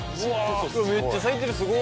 めっちゃ咲いてるすごっ！